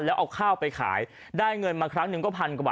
แล้วเอาข้าวไปขายได้เงินมาครั้งหนึ่งก็พันกว่าบาท